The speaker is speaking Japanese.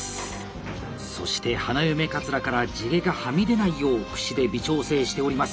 そして花嫁かつらから地毛がはみ出ないようくしで微調整しております。